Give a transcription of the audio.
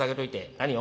何を？